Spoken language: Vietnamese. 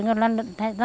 nó thành một cái mùa